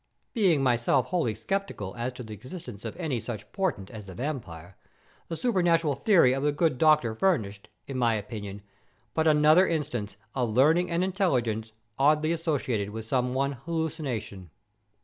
"Being myself wholly skeptical as to the existence of any such portent as the vampire, the supernatural theory of the good doctor furnished, in my opinion, but another instance of learning and intelligence oddly associated with some one hallucination.